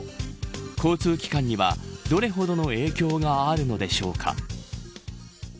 交通機関にはどれほどの影響があるのでしょうか。